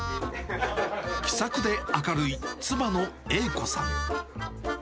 気さくで明るい、妻の栄子さん。